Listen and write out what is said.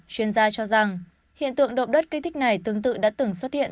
chuyên gia cho rằng hiện tượng động đất kích thích này tương tự đã từng xuất hiện